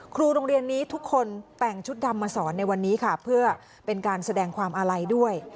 ครูโรงเรียนนี้ทุกคนแต่งชุดดำมาสอนในวันนี้ค่ะเพื่อเป็นการแสดงความอาลัยด้วย